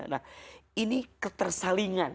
nah ini ketersalingan